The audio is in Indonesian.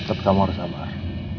tetep kamu harus abar